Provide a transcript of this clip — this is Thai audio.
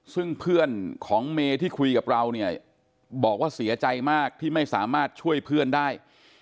ซึ่งเพื่อนของเมย์ที่คุยกับเราเนี่ยบอกว่าเสียใจมากที่ไม่สามารถช่วยเพื่อนได้